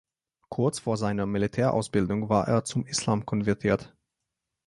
Kurz vor seiner Militärausbildung war er zum Islam konvertiert.